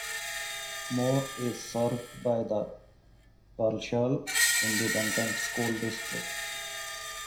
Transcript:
Moore is served by the Pearsall Independent School District.